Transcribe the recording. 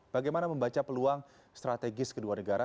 bagaimana membaca peluang strategis kedua negara